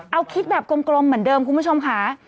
เอาคิดแบบกลมเหมือนเดิมคุณผู้ชมค่ะ